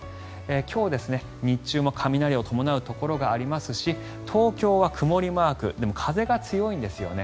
今日、日中も雷を伴うところがありますし東京は曇りマークでも風が強いんですよね。